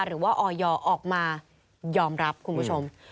หรือว่าออยออกมายอมรับคุณผู้ชม